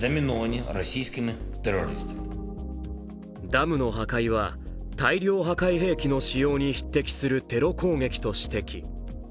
ダムの破壊は大量破壊兵器の使用に匹敵するテロ攻撃と指摘。